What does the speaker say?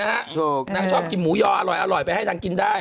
ถูกนางชอบกินหมูยออร่อยไปให้นางกินได้